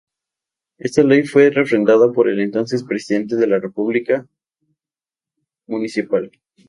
Esta ley fue refrendada por el entonces Presidente de la República, Mcal.